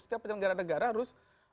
setiap penyelenggara negara harus